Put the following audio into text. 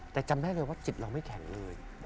แต่จำได้เลยว่าจิตเราไม่แข็งเลย